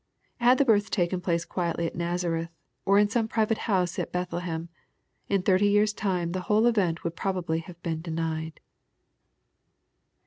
Had the birth taken place quietly at Nazareth, or in some private house at Bethlehem, in thirty years* time the whole event would probably have been denied.